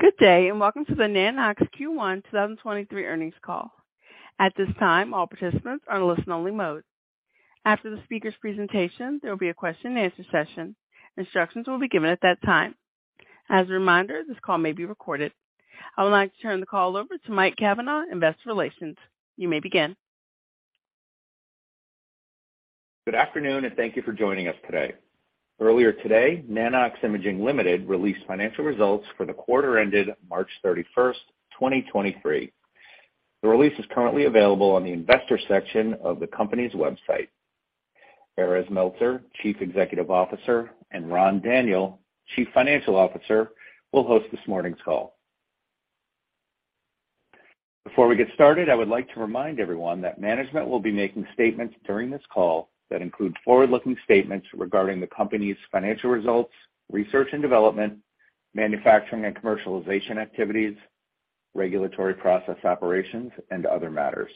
Good day, welcome to the Nanox Q1 2023 earnings call. At this time, all participants are in listen only mode. After the speaker's presentation, there will be a question and answer session. Instructions will be given at that time. As a reminder, this call may be recorded. I would like to turn the call over to Mike Cavanaugh, investor relations. You may begin. Good afternoon, and thank you for joining us today. Earlier today, Nano-X Imaging Ltd. released financial results for the quarter ended March 31, 2023. The release is currently available on the investor section of the company's website. Erez Meltzer, Chief Executive Officer, and Ran Daniel, Chief Financial Officer, will host this morning's call. Before we get started, I would like to remind everyone that management will be making statements during this call that include forward-looking statements regarding the company's financial results, research and development, manufacturing and commercialization activities, regulatory process operations, and other matters.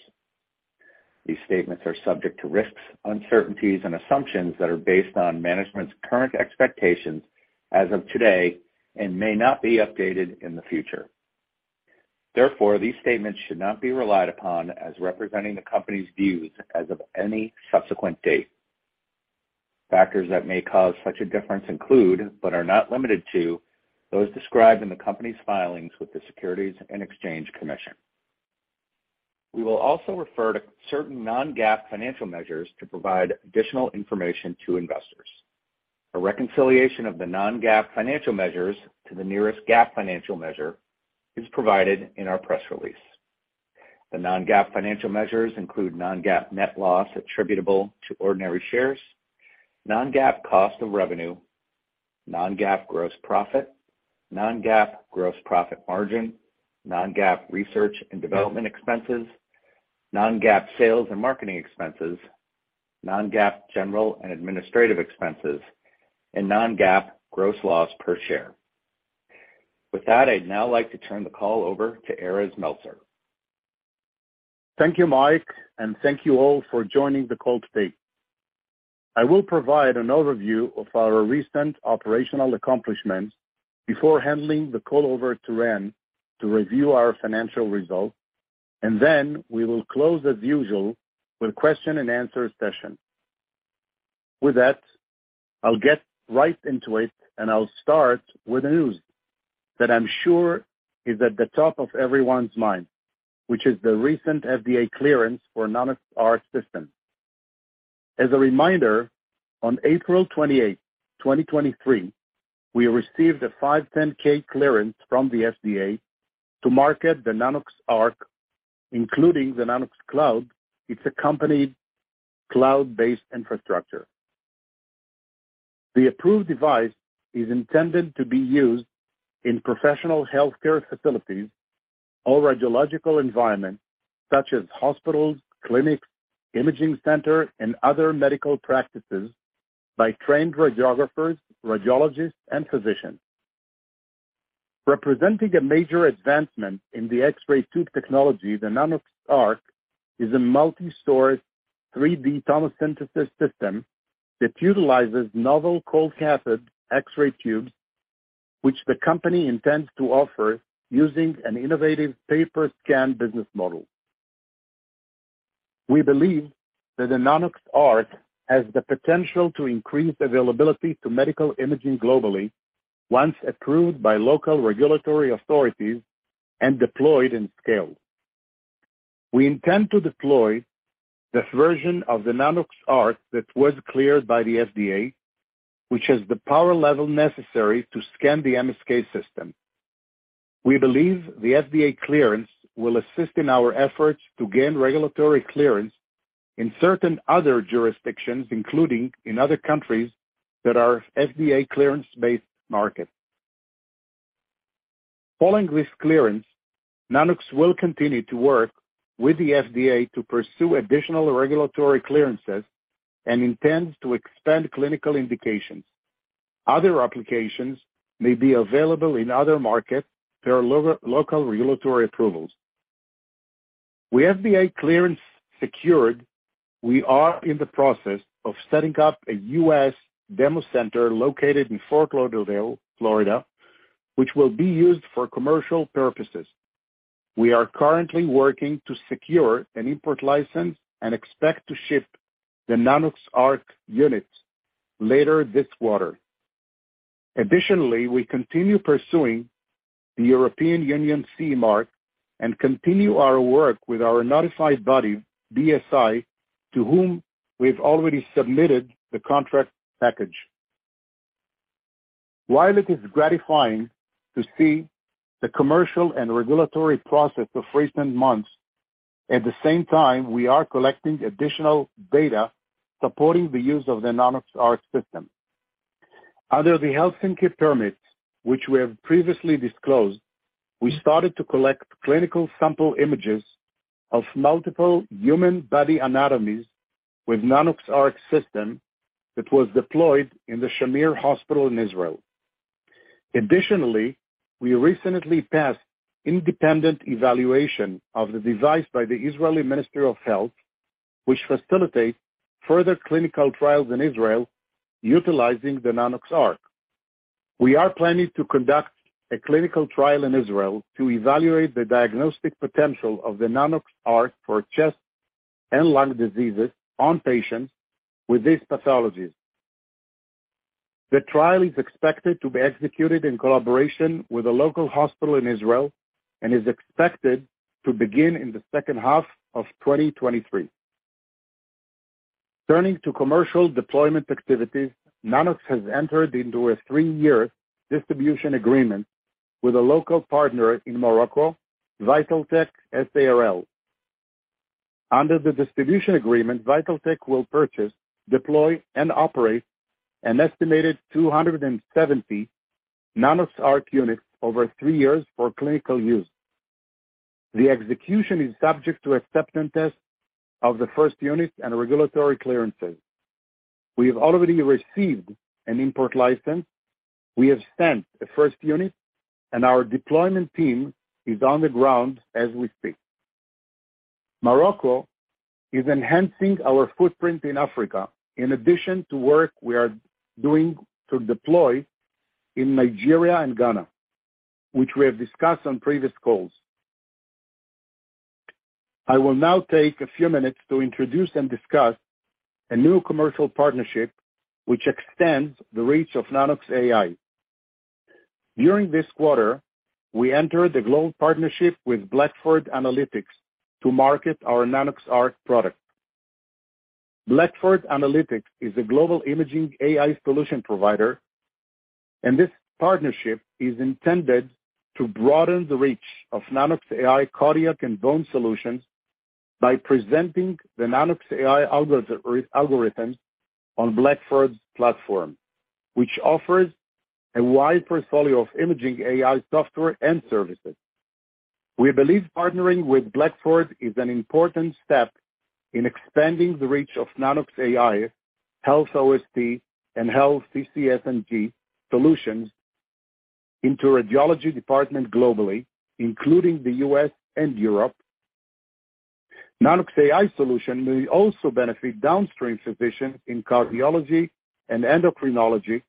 These statements are subject to risks, uncertainties and assumptions that are based on management's current expectations as of today and may not be updated in the future. Therefore, these statements should not be relied upon as representing the company's views as of any subsequent date. Factors that may cause such a difference include, but are not limited to, those described in the company's filings with the Securities and Exchange Commission. We will also refer to certain non-GAAP financial measures to provide additional information to investors. A reconciliation of the non-GAAP financial measures to the nearest GAAP financial measure is provided in our press release. The non-GAAP financial measures include non-GAAP net loss attributable to ordinary shares, non-GAAP cost of revenue, non-GAAP gross profit, non-GAAP gross profit margin, non-GAAP research and development expenses, non-GAAP sales and marketing expenses, non-GAAP general and administrative expenses, and non-GAAP gross loss per share. With that, I'd now like to turn the call over to Erez Meltzer. Thank you, Mike, and thank you all for joining the call today. I will provide an overview of our recent operational accomplishments before handing the call over to Ran to review our financial results, and then we will close as usual with question and answer session. With that, I'll get right into it, and I'll start with the news that I'm sure is at the top of everyone's mind, which is the recent FDA clearance for Nanox.ARC system. As a reminder, on April 28, 2023, we received a 510(k) clearance from the FDA to market the Nanox.ARC, including the Nanox.CLOUD, its accompanied cloud-based infrastructure. The approved device is intended to be used in professional healthcare facilities or radiological environment such as hospitals, clinics, imaging center, and other medical practices by trained radiographers, radiologists, and physicians. Representing a major advancement in the X-ray tube technology, the Nanox.ARC is a multi-source 3D tomosynthesis system that utilizes novel cold cathode X-ray tubes, which the company intends to offer using an innovative pay-per-scan business model. We believe that the Nanox.ARC has the potential to increase availability to medical imaging globally once approved by local regulatory authorities and deployed in scale. We intend to deploy this version of the Nanox.ARC that was cleared by the FDA, which has the power level necessary to scan the MSK system. We believe the FDA clearance will assist in our efforts to gain regulatory clearance in certain other jurisdictions, including in other countries that are FDA clearance-based markets. Following this clearance, Nanox will continue to work with the FDA to pursue additional regulatory clearances and intends to expand clinical indications. Other applications may be available in other markets. There are local regulatory approvals. With FDA clearance secured, we are in the process of setting up a US demo center located in Fort Lauderdale, Florida, which will be used for commercial purposes. We are currently working to secure an import license and expect to ship the Nanox.ARC units later this quarter. Additionally, we continue pursuing the European Union CE mark and continue our work with our notified body, BSI, to whom we've already submitted the contract package. While it is gratifying to see the commercial and regulatory process of recent months, at the same time, we are collecting additional data supporting the use of the Nanox.ARC system. Under the Helsinki permits, which we have previously disclosed, we started to collect clinical sample images of multiple human body anatomies with Nanox.ARC system that was deployed in the Shamir Medical Center in Israel. Additionally, we recently passed independent evaluation of the device by the Israeli Ministry of Health. Which facilitate further clinical trials in Israel utilizing the Nanox.ARC. We are planning to conduct a clinical trial in Israel to evaluate the diagnostic potential of the Nanox.ARC for chest and lung diseases on patients with these pathologies. The trial is expected to be executed in collaboration with a local hospital in Israel, and is expected to begin in the H2 of 2023. Turning to commercial deployment activities, Nanox has entered into a 3-year distribution agreement with a local partner in Morocco, Vital Tech SARL. Under the distribution agreement, Vital Tech will purchase, deploy, and operate an estimated 270 Nanox.ARC units over 3 years for clinical use. The execution is subject to acceptance tests of the first unit and regulatory clearances. We have already received an import license. We have sent the first unit, and our deployment team is on the ground as we speak. Morocco is enhancing our footprint in Africa, in addition to work we are doing to deploy in Nigeria and Ghana, which we have discussed on previous calls. I will now take a few minutes to introduce and discuss a new commercial partnership which extends the reach of Nanox.AI. During this quarter, we entered the global partnership with Blackford Analysis to market our Nanox.ARC product. Blackford Analysis is a global imaging AI solution provider, and this partnership is intended to broaden the reach of Nanox.AI cardiac and bone solutions by presenting the Nanox.AI algorithm on Blackford's platform, which offers a wide portfolio of imaging AI software and services. We believe partnering with Blackford is an important step in expanding the reach of Nanox.AI HealthOST and HealthCCSng solutions into radiology department globally, including the U.S. and Europe. Nanox.AI solution may also benefit downstream physicians in cardiology and endocrinology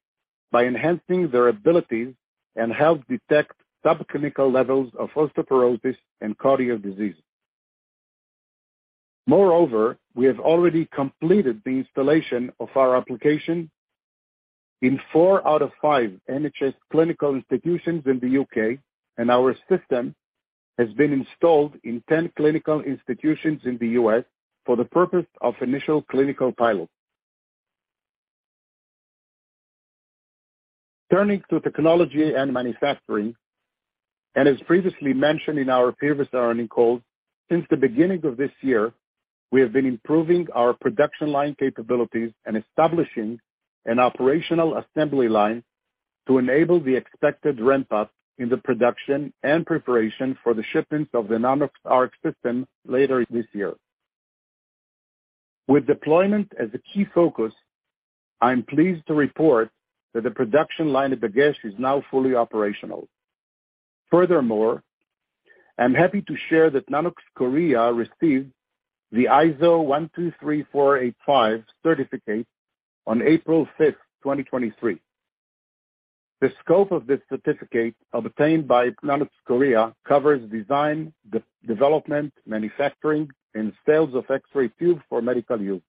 by enhancing their abilities and help detect subclinical levels of osteoporosis and cardio diseases. We have already completed the installation of our application in four out of five NHS clinical institutions in the U.K., and our system has been installed in 10 clinical institutions in the U.S. for the purpose of initial clinical pilot. Turning to technology and manufacturing, as previously mentioned in our previous earnings calls, since the beginning of this year, we have been improving our production line capabilities and establishing an operational assembly line to enable the expected ramp up in the production and preparation for the shipments of the Nanox.ARC system later this year. With deployment as a key focus, I'm pleased to report that the production line at Dagesh is now fully operational. I'm happy to share that Nanox Korea received the ISO 13485 certificate on April five, 2023. The scope of this certificate obtained by Nanox Korea covers design, development, manufacturing, and sales of X-ray tube for medical use.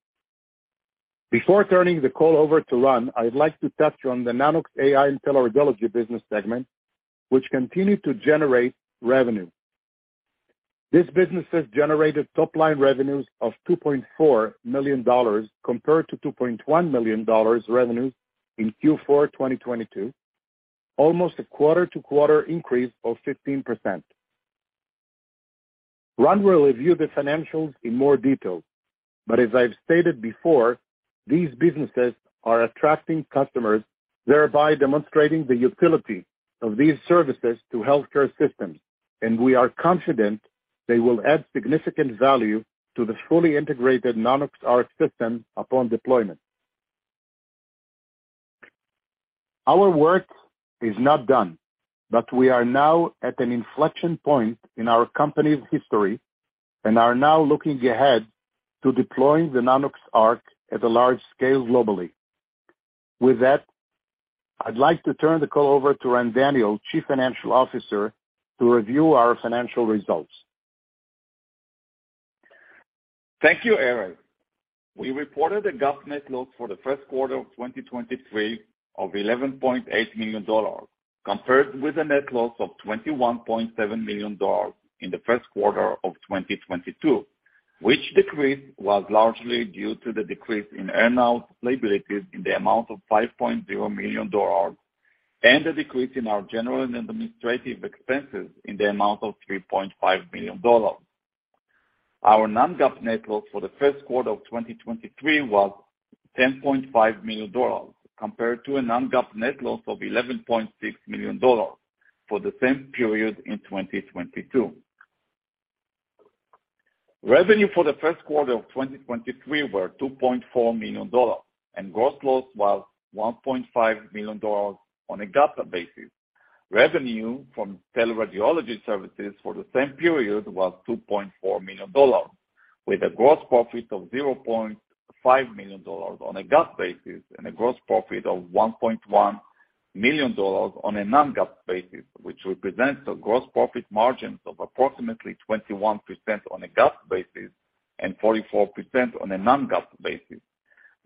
Before turning the call over to Ran, I'd like to touch on the Nanox.AI and teleradiology business segment, which continue to generate revenue. This business has generated top-line revenues of $2.4 million compared to $2.1 million revenues in Q4 2022, almost a quarter-over-quarter increase of 15%. Ran will review the financials in more detail, but as I've stated before, these businesses are attracting customers, thereby demonstrating the utility of these services to healthcare systems, and we are confident they will add significant value to the fully integrated Nanox.ARC system upon deployment. Our work is not done, but we are now at an inflection point in our company's history, and are now looking ahead to deploying the Nanox.ARC at a large scale globally. With that, I'd like to turn the call over to Ran Daniel, Chief Financial Officer, to review our financial results. Thank you, Erez. We reported a GAAP net loss for the Q1 of 2023 of $11.8 million, compared with a net loss of $21.7 million in the Q1 of 2022, which decrease was largely due to the decrease in earnout liabilities in the amount of $5.0 million and the decrease in our general and administrative expenses in the amount of $3.5 million. Our non-GAAP net loss for the Q1 of 2023 was $10.5 million, compared to a non-GAAP net loss of $11.6 million for the same period in 2022. Revenue for the Q1 of 2023 were $2.4 million, and gross loss was $1.5 million on a GAAP basis. Revenue from teleradiology services for the same period was $2.4 million, with a gross profit of $0.5 million on a GAAP basis and a gross profit of $1.1 million on a non-GAAP basis, which represents a gross profit margins of approximately 21% on a GAAP basis and 44% on a non-GAAP basis.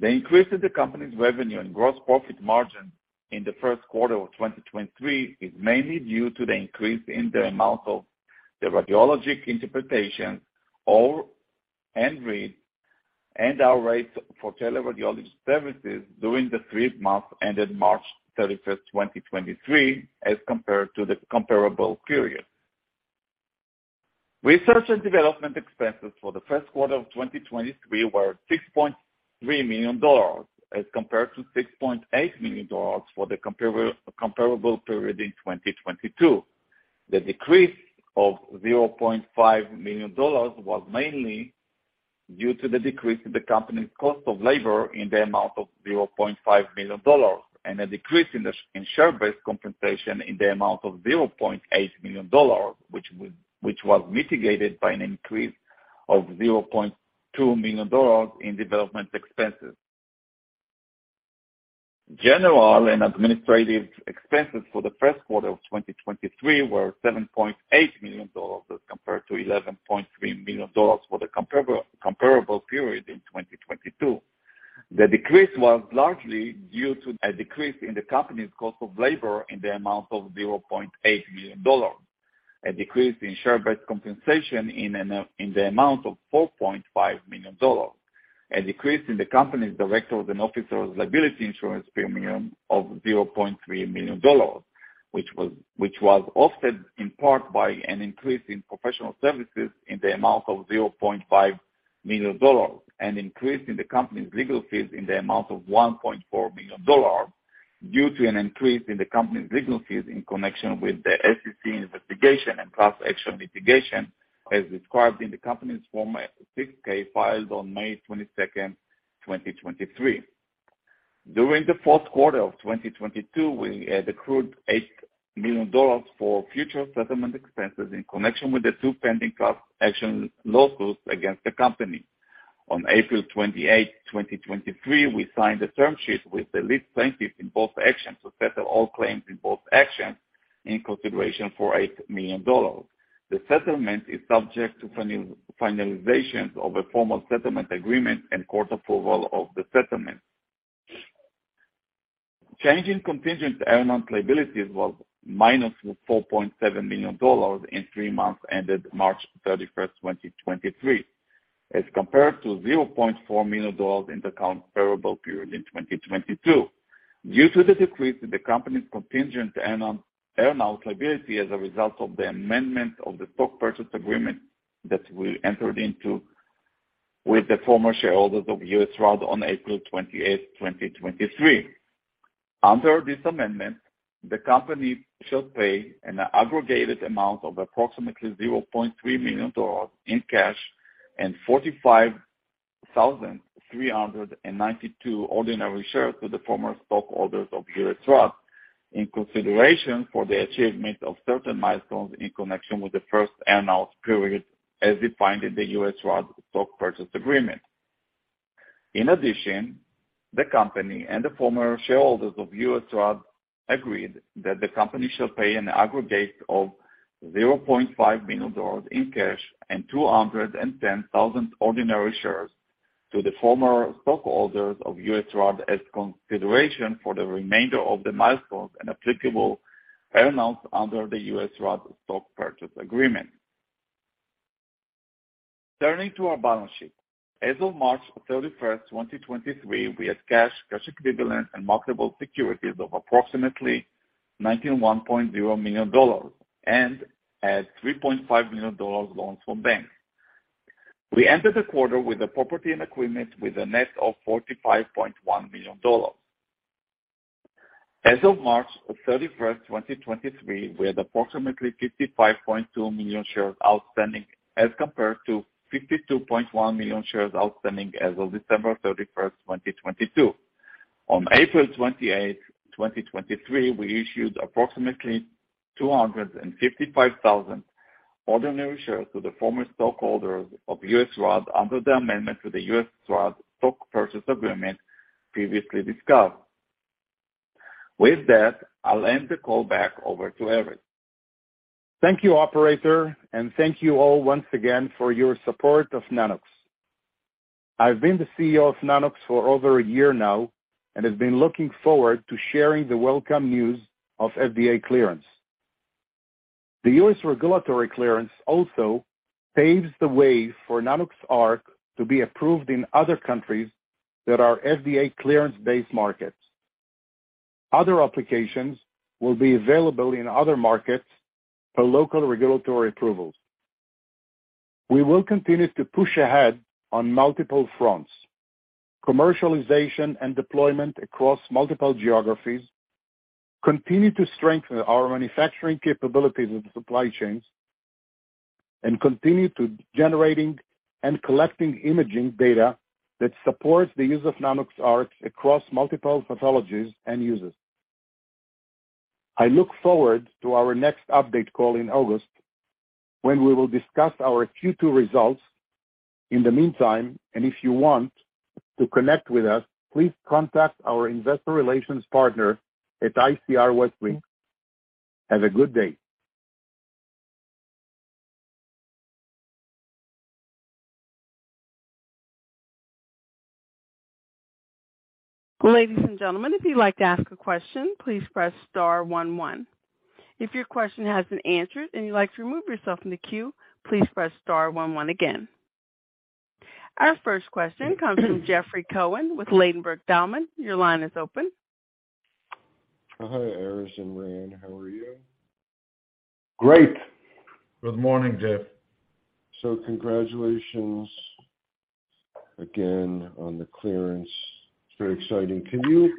The increase in the company's revenue and gross profit margin in the Q1 of 2023 is mainly due to the increase in the amount of the radiologic interpretation and read and our rates for teleradiology services during the three months ended March thirty-first, 2023, as compared to the comparable period. Research and development expenses for the Q1 of 2023 were $6.3 million, as compared to $6.8 million for the comparable period in 2022. The decrease of $0.5 million was mainly due to the decrease in the company's cost of labor in the amount of $0.5 million and a decrease in share-based compensation in the amount of $0.8 million, which was mitigated by an increase of $0.2 million in development expenses. General and administrative expenses for the Q1 of 2023 were $7.8 million as compared to $11.3 million for the comparable period in 2022. The decrease was largely due to a decrease in the company's cost of labor in the amount of $0.8 million, a decrease in share-based compensation in the amount of $4.5 million, a decrease in the company's directors' and officers' liability insurance premium of $0.3 million, which was offset in part by an increase in professional services in the amount of $0.5 million, and increase in the company's legal fees in the amount of $1.4 million due to an increase in the company's legal fees in connection with the SEC investigation and class action litigation as described in the company's Form 6-K filed on May 22, 2023. During the Q4 of 2022, we had accrued $8 million for future settlement expenses in connection with the two pending class action lawsuits against the company. On April 28, 2023, we signed a term sheet with the lead plaintiff in both actions to settle all claims in both actions in consideration for $8 million. The settlement is subject to finalizations of a formal settlement agreement and court approval of the settlement. Change in contingent earnout liabilities was -$4.7 million in three months ended March 31, 2023, as compared to $0.4 million in the comparable period in 2022. Due to the decrease in the company's contingent earnout liability as a result of the amendment of the stock purchase agreement that we entered into with the former shareholders of USARAD on April 28, 2023. Under this amendment, the company shall pay an aggregated amount of approximately $0.3 million in cash and 45,392 ordinary shares to the former stockholders of USARAD in consideration for the achievement of certain milestones in connection with the first earnout period as defined in the USARAD stock purchase agreement. The company and the former shareholders of USARAD agreed that the company shall pay an aggregate of $0.5 million in cash and 210,000 ordinary shares to the former stockholders of USARAD as consideration for the remainder of the milestones and applicable earnouts under the USARAD stock purchase agreement. Turning to our balance sheet. As of March 31, 2023, we had cash equivalents, and marketable securities of approximately $91.0 million and had $3.5 million loans from banks. We ended the quarter with the property and equipment with a net of $45.1 million. As of March 31, 2023, we had approximately 55.2 million shares outstanding as compared to 52.1 million shares outstanding as of December 31, 2022. On April 28, 2023, we issued approximately 255,000 ordinary shares to the former stockholders of USARAD under the amendment to the USARAD stock purchase agreement previously discussed. With that, I'll hand the call back over to Erez. Thank you, operator, and thank you all once again for your support of Nanox. I've been the CEO of Nanox for over a year now and have been looking forward to sharing the welcome news of FDA clearance. The U.S. regulatory clearance also paves the way for Nanox.ARC to be approved in other countries that are FDA clearance-based markets. Other applications will be available in other markets for local regulatory approvals. We will continue to push ahead on multiple fronts, commercialization and deployment across multiple geographies, continue to strengthen our manufacturing capabilities and supply chains. Continue to generating and collecting imaging data that supports the use of Nanox.ARC across multiple pathologies and users. I look forward to our next update call in August, when we will discuss our Q2 results. In the meantime, and if you want to connect with us, please contact our investor relations partner at ICR Westwicke. Have a good day. Ladies and gentlemen, if you'd like to ask a question, please press star one one. If your question has been answered and you'd like to remove yourself from the queue, please press star one one again. Our first question comes from Jeffrey Cohen with Ladenburg Thalmann. Your line is open. Hi, Erez and Ran. How are you? Great. Good morning, Jeff. Congratulations again on the clearance. It's very exciting. Can you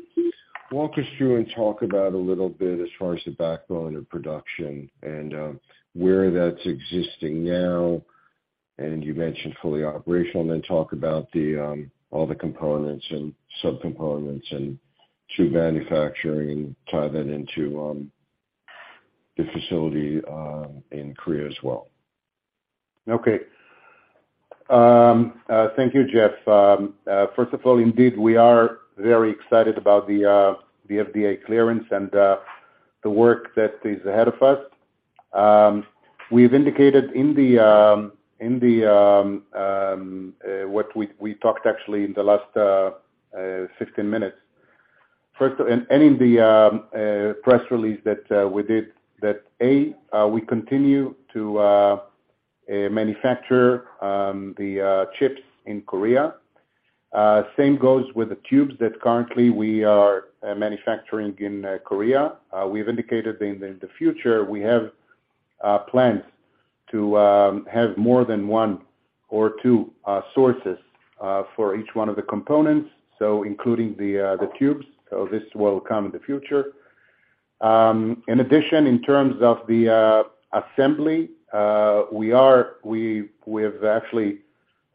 walk us through and talk about a little bit as far as the backbone of production and where that's existing now, and you mentioned fully operational, and then talk about all the components and sub-components and tube manufacturing and tie that into the facility in Korea as well? Okay. Thank you, Jeff. First of all, indeed, we are very excited about the FDA clearance and the work that is ahead of us. We've indicated in what we talked actually in the last 15 minutes. First, and in the press release that we did, that A, we continue to manufacture the chips in Korea. Same goes with the tubes that currently we are manufacturing in Korea. We've indicated in the future we have plans to have more than one or two sources for each one of the components, so including the tubes. This will come in the future. In addition, in terms of the assembly, we've actually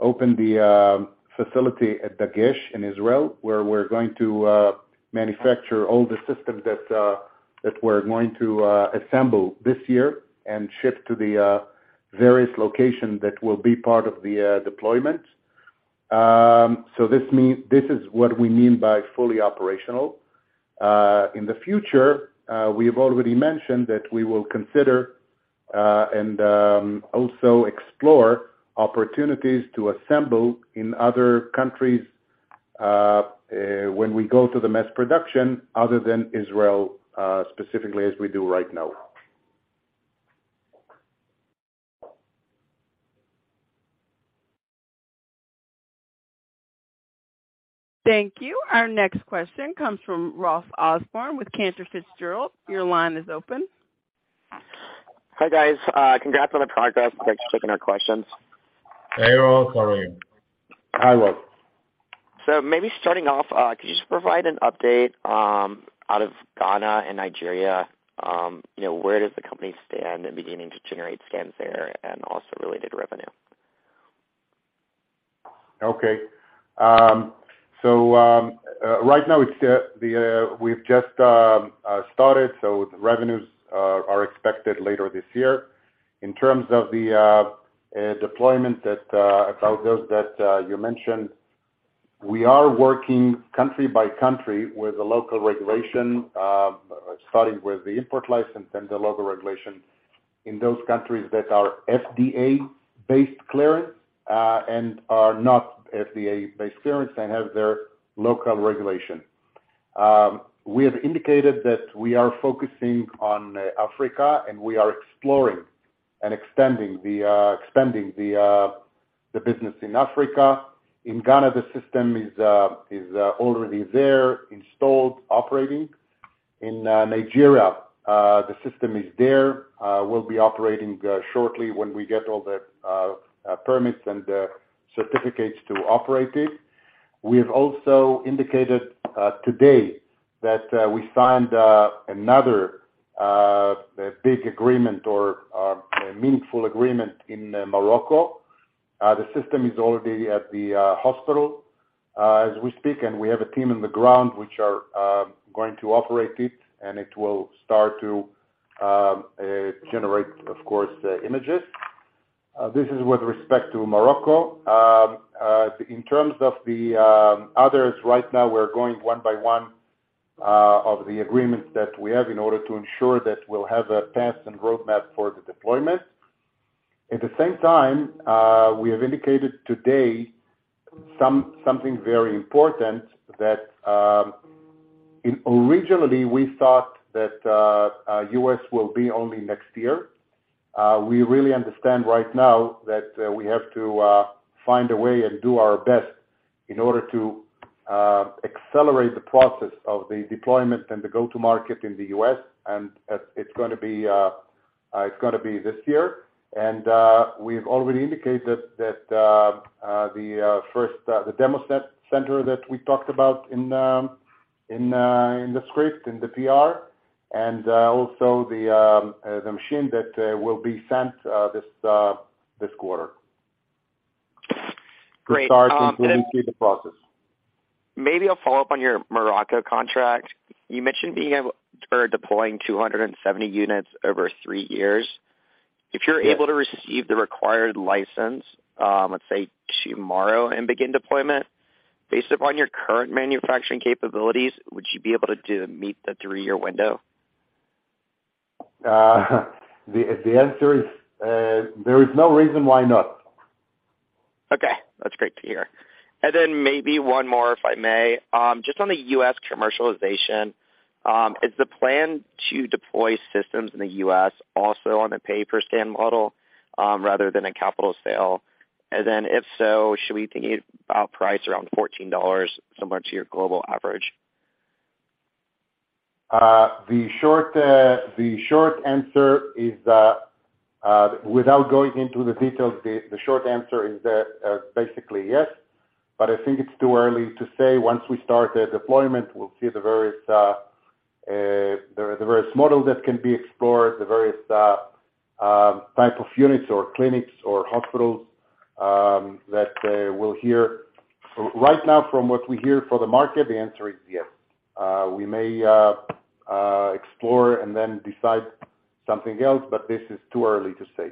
opened the facility at Dagesh in Israel, where we're going to manufacture all the systems that we're going to assemble this year and ship to the various locations that will be part of the deployment. This is what we mean by fully operational. In the future, we have already mentioned that we will consider and also explore opportunities to assemble in other countries when we go to the mass production other than Israel, specifically as we do right now. Thank you. Our next question comes from Ross Osborn with Cantor Fitzgerald. Your line is open. Hi, guys. Congrats on the progress. Thanks for taking our questions. Hey, Ross. How are you? Hi, Ross. Maybe starting off, could you just provide an update out of Ghana and Nigeria, you know, where does the company stand in beginning to generate scans there and also related revenue? Okay. Right now it's the we've just started, the revenues are expected later this year. In terms of the deployment that about those that you mentioned, we are working country by country with the local regulation, starting with the import license and the local regulation in those countries that are FDA-based clearance, and are not FDA-based clearance and have their local regulation. We have indicated that we are focusing on Africa, and we are exploring and extending the business in Africa. In Ghana, the system is already there, installed, operating. In Nigeria, the system is there, will be operating shortly when we get all the permits and certificates to operate it. We have also indicated today that we signed another big agreement or a meaningful agreement in Morocco. The system is already at the hospital as we speak, and we have a team on the ground which are going to operate it, and it will start to generate, of course, the images. This is with respect to Morocco. In terms of the others, right now we're going one by one of the agreements that we have in order to ensure that we'll have a path and roadmap for the deployment. At the same time, we have indicated today something very important that originally we thought that US will be only next year. We really understand right now that we have to find a way and do our best in order to accelerate the process of the deployment and the go-to-market in the US, and it's gonna be this year. We've already indicated that the first the demo set center that we talked about in the script, in the PR, and also the machine that will be sent this quarter. Great. To start implementing the process. Maybe I'll follow up on your Morocco contract. You mentioned deploying 270 units over three years. Yes. If you're able to receive the required license, let's say tomorrow, and begin deployment, based upon your current manufacturing capabilities, would you be able to meet the three-year window? The answer is, there is no reason why not. Okay, that's great to hear. Maybe one more, if I may. Just on the U.S. commercialization, is the plan to deploy systems in the U.S. also on a pay-per-scan model, rather than a capital sale? If so, should we be thinking about price around $14, similar to your global average? The short answer is, without going into the details, the short answer is that, basically, yes. I think it's too early to say. Once we start the deployment, we'll see the various models that can be explored, the various type of units or clinics or hospitals that we'll hear. Right now, from what we hear for the market, the answer is yes. We may explore and then decide something else, but this is too early to say.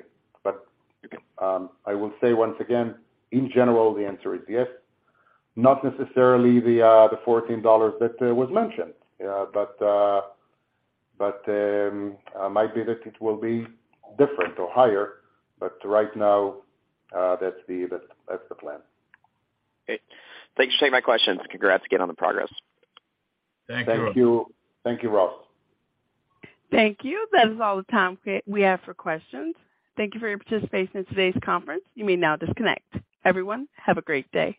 I will say once again, in general, the answer is yes. Not necessarily the $14 that was mentioned. Might be that it will be different or higher. Right now, that's the plan. Great. Thank you for taking my questions, and congrats again on the progress. Thank you. Thank you. Thank you, Ross. Thank you. That is all the time we have for questions. Thank you for your participation in today's conference. You may now disconnect. Everyone, have a great day.